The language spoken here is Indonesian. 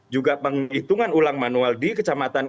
juga penghitungan ulang manual di kecamatan